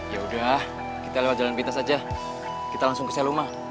ya udah kita lewat jalan pintas aja kita langsung ke saya rumah